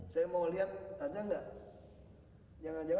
saya mau lihat ada nggak